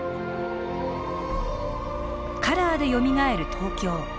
「カラーでよみがえる東京」。